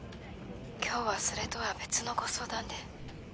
今日はそれとは別のご相談で。